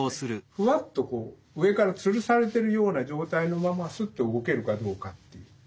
フワッとこう上からつるされてるような状態のままスッと動けるかどうかという。